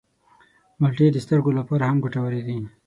مالټې د سترګو لپاره هم ګټورې دي.